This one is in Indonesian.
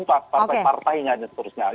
partai partainya dan seterusnya